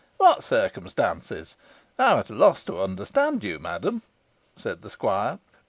"What circumstances? I am at a loss to understand you, madam," said the squire.